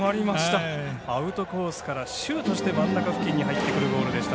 アウトコースからシュートして真ん中付近に入ってくるボールでした。